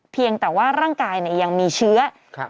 เพียงแต่ว่าร่างกายยังมีเชื้อ